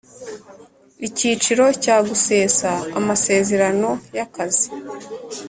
Icyiciro cya gusesa amasezerano y akazi